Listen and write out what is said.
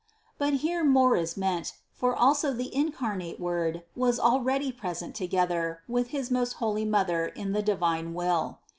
But here more is meant, for also the incarnate Word was already present together with his most holy Mother in the divine Will.